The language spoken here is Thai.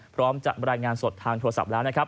พร้อมจะรายงานสดทางโทรศัพท์แล้วนะครับ